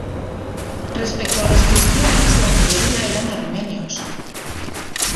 Respecto a los cristianos, la mayoría eran armenios.